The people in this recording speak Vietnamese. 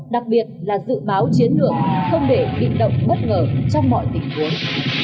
đặc biệt là dự báo chiến lược không để bị động bất ngờ trong mọi tình huống